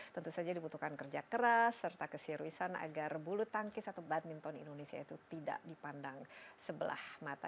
tentu saja dibutuhkan kerja keras serta keseriusan agar bulu tangkis atau badminton indonesia itu tidak dipandang sebelah mata